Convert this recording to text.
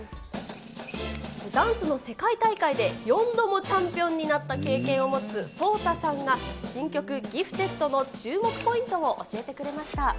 ダンスの世界大会で４度もチャンピオンになった経験を持つソウタさんが、新曲、ギフテッドの注目ポイントを教えてくれました。